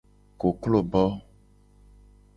Koklo bo.